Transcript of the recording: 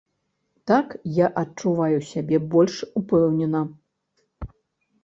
Так я адчуваю сябе больш упэўнена.